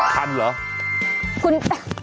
คันเหรอคุณ